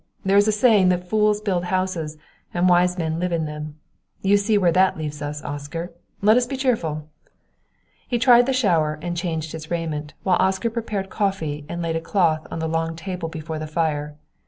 There is a saying that fools build houses and wise men live in them you see where that leaves us, Oscar. Let us be cheerful!" He tried the shower and changed his raiment, while Oscar prepared coffee and laid a cloth on the long table before the fire.